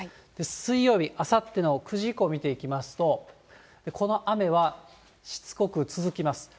水曜日、あさっての９時以降見ていきますと、この雨はしつこく続きます。